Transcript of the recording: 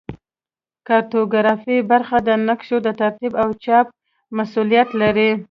کارتوګرافي برخه د نقشو د ترتیب او چاپ مسوولیت لري